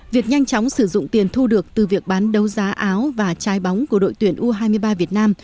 việc nhanh chóng sử dụng tiền thu được từ việc bán đấu giá áo và trái bóng của đội tuyển u hai mươi ba việt nam